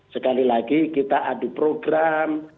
sekali lagi kita adu program